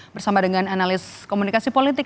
bersama dengan analis komunikasi politik